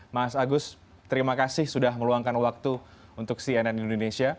mas agus terima kasih sudah meluangkan waktu untuk cnn indonesia